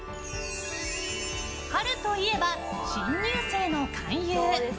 春といえば、新入生の勧誘。